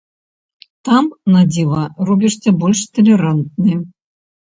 Там, на дзіва, робішся больш талерантны.